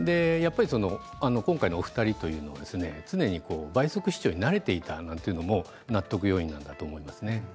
今回のお二人というのは常に倍速視聴に慣れていたなんていうのも納得要因なんだと思います。